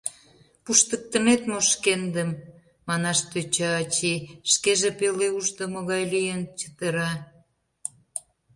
Пуштыктынет мо шкендым?.. — манаш тӧча ачий, шкеже пеле ушдымо гай лийын, чытыра.